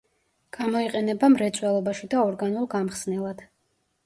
გამოიყენება მრეწველობაში და ორგანულ გამხსნელად.